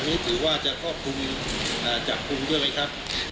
อันนี้คือว่าจะควบคุมจับคุมด้วยไหมครับ